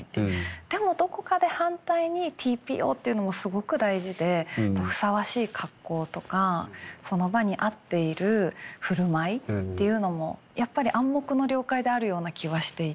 でもどこかで反対にＴＰＯっていうのもすごく大事でふさわしい格好とかその場に合っているふるまいっていうのもやっぱり暗黙の了解であるような気はしていて。